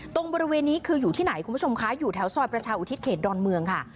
ตรงบริเวณนี้คืออยู่ที่ไหนคุณผู้ชมคะอยู่แถวซอยประชาอุทิศเขตดอนเมืองค่ะ